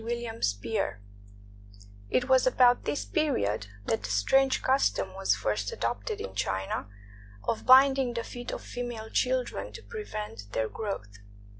WILLIAM SPEER It was about this period that the strange custom was first adopted in China of binding the feet of female children to prevent their growth.